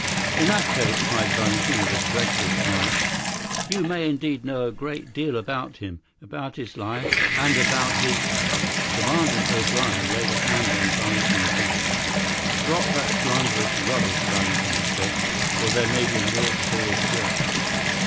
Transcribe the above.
"In that case," cried Valentin, with a dreadful smile, "you may indeed know a great deal about him. About his life and about his " Commandant O'Brien laid a hand on Valentin's arm. "Drop that slanderous rubbish, Valentin," he said, "or there may be more swords yet."